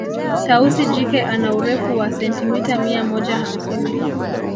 Tausi jike ana Urefu wa sentimita mia moja hamsini